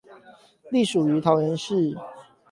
隸屬於桃園市